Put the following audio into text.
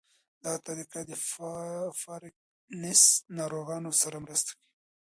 دا طریقه د پارکینسن ناروغانو سره مرسته کوي.